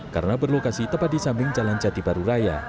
karena berlokasi tepat di samping jalan jati baru raya